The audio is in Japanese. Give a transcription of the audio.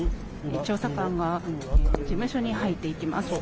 調査官は事務所に入っていきます。